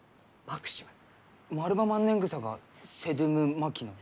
マルバマンネングサがセドゥム・マキノイ？